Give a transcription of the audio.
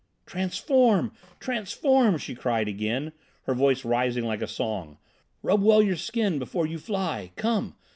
"Transform, transform!" she cried again, her voice rising like a song. "Rub well your skin before you fly. Come!